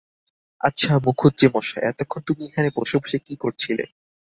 আচ্ছা মুখুজ্যেমশায়, এতক্ষণ তুমি এখানে বসে বসে কী করছিলে?